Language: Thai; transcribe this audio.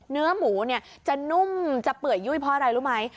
เนื้อหมูเนี่ยจะนุ่มจะเปื่อยยุ่ยเพราะอะไรรู้ไหม